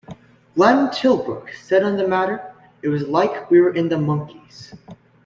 Glenn Tilbrook said on the matter, It was like we were in The Monkees.